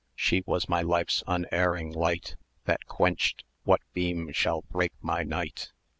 She was my Life's unerring Light: That quenched what beam shall break my night?